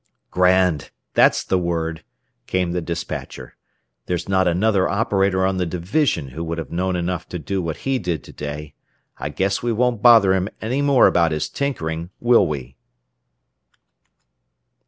"Grand! That's the word," came the despatcher. "There's not another operator on the division who would have known enough to do what he did to day. I guess we won't bother him any more about his 'tinkering,' will we?"